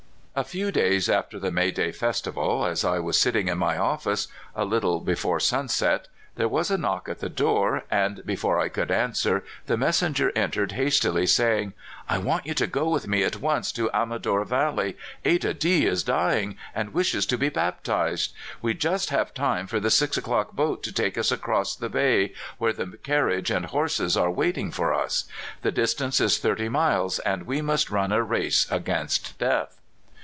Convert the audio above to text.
A few days after the May day festival, as I was sitting in my office, a little before sunset, there was a knock at the door, and before I could answer the messenger entered hastily saying: "I want you to go with me at once to Amador Valley. Ada D is dying, and wishes to be baptized. We just have time for the six o'clock boat to take us across the bay, where the carriage and horses are waiting for us. The distance is thirty miles, and we must run a race against death."